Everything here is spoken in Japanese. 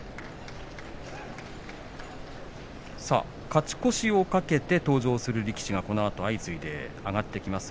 勝ち越しを懸けて登場する力士がこのあと相次いで上がってきます。